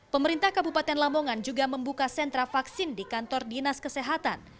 pemerintah kabupaten lamongan juga membuka sentra vaksin di kantor dinas kesehatan